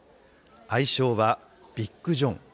愛称はビッグ・ジョン。